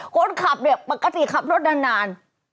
คนขับปกติขับรถนาน